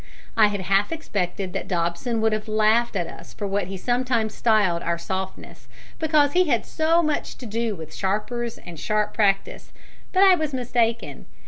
I had half expected that Dobson would have laughed at us for what he sometimes styled our softness, because he had so much to do with sharpers and sharp practice, but I was mistaken.